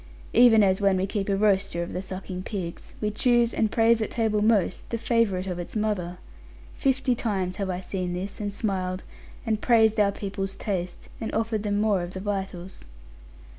Even as when we keep a roaster of the sucking pigs, we choose, and praise at table most, the favourite of its mother. Fifty times have I seen this, and smiled, and praised our people's taste, and offered them more of the vitals.